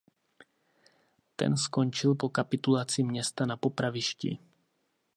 Ten skončil po kapitulaci města na popravišti.